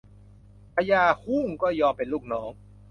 พญาฮุ้งก็ยอมเป็นลูกน้อง